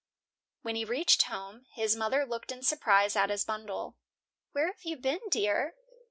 When he reached home, his mother looked in surprise at his bundle. "Where have you been, dear?"